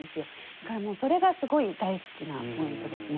だからもうそれがすごい大好きなポイントですね。